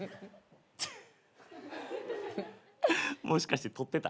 もしかして撮ってた？